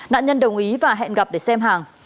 nạn nhân đồng ý và hẹn gặp để xem hàng